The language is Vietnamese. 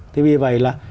thì vì vậy là